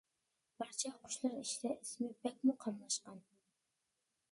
بارچە قۇشلار ئىچىدە، ئىسمى بەكمۇ قاملاشقان.